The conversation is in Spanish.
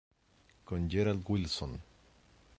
Con Gerald Wilson